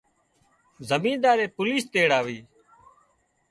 زميندائي پوليش تيڙاوي